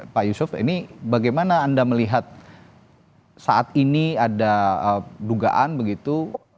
pak yusuf ini bagaimana anda melihat saat ini ada dugaan begitu